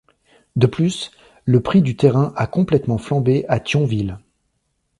De plus, le prix du terrain a complètement flambé à Thionville.